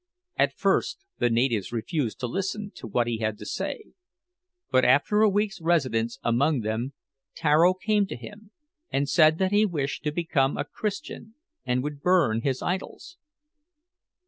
At first the natives refused to listen to what he had to say; but after a week's residence among them, Tararo came to him and said that he wished to become a Christian and would burn his idols.